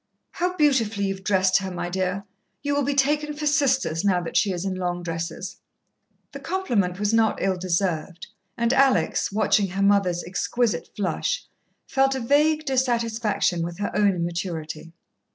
"How beautifully you've dressed her, my dear. You will be taken for sisters, now that she is in long dresses." The compliment was not ill deserved, and Alex, watching her mother's exquisite flush, felt a vague dissatisfaction with her own immaturity.